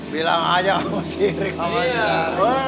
bilang aja sama si iri kawan kawan